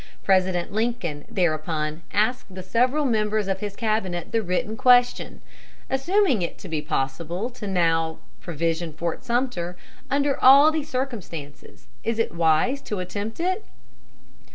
President Lincoln thereupon asked the several members of his cabinet the written question: "Assuming it to be possible to now provision Fort Sumter, under all the circumstances is it wise to attempt it?"